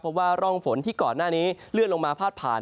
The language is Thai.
เพราะว่าร่องฝนที่ก่อนหน้านี้เลื่อนลงมาพาดผ่าน